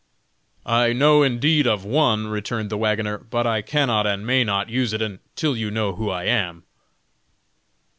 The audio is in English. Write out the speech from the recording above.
"I know indeed of one," returned the wagoner, "but I cannot and may not use it until you know who I am."